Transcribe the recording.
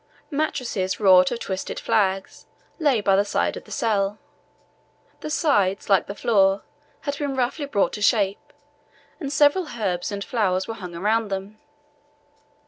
Mattresses, wrought of twisted flags, lay by the side of the cell; the sides, like the floor, had been roughly brought to shape, and several herbs and flowers were hung around them.